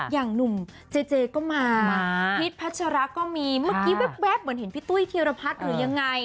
อย่างหนุ่มเจเจก็มาพีชพัชระก็มีเมื่อกี้แว๊บเหมือนเห็นพี่ตุ้ยธีรพัฒน์หรือยังไง